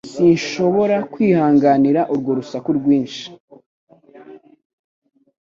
Sinshobora kwihanganira urwo rusaku rwinshi.